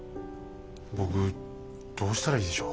僕どうしたらいいでしょう。